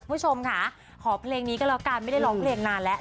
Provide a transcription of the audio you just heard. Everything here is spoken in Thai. คุณผู้ชมค่ะขอเพลงนี้ก็แล้วกันไม่ได้ร้องเพลงนานแล้ว